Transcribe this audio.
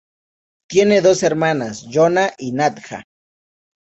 Tiene dos hermanas, Ilona y Nadja.